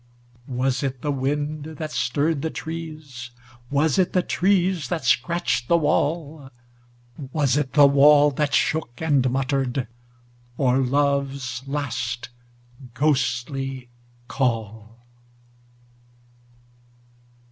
Was it the wind that stirred the trees, Was it the trees that scratched the wall, Was it the wall that shook and muttered. Or Love's last, ghostly call?